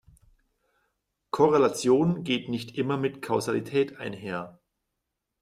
Korrelation geht nicht immer mit Kausalität einher.